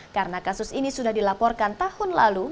karena kasus ini sudah dilaporkan tahun lalu